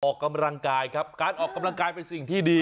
ออกกำลังกายครับการออกกำลังกายเป็นสิ่งที่ดี